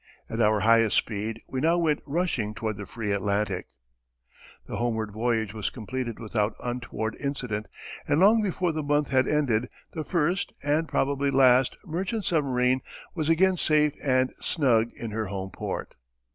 At our highest speed we now went rushing toward the free Atlantic. [Footnote 6: ©] The homeward voyage was completed without untoward incident and long before the month had ended, the first and probably last merchant submarine was again safe and snug in her home port.